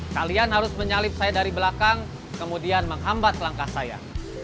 kalian harus menyalip saya dari belakang kemudian menghambat langkah saya